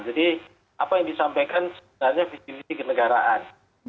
jadi apa yang disampaikan sebenarnya visi visi kenegaraan